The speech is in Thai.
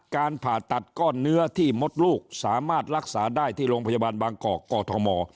การผ่าตัดก้อนเนื้อที่มดลูกสามารถรักษาได้ที่โรงพยาบาลบางกอกกอทม